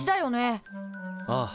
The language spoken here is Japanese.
ああ。